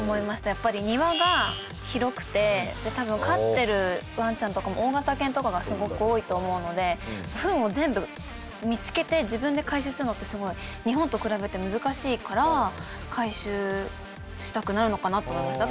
やっぱり庭が広くて多分飼ってるワンちゃんとかも大型犬とかがすごく多いと思うのでフンを全部見つけて自分で回収するのってすごい日本と比べて難しいから回収したくなるのかなと思いました。